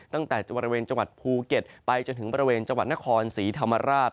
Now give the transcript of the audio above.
ตั้งแต่บริเวณจังหวัดภูเก็ตไปจนถึงบริเวณจังหวัดนครศรีธรรมราช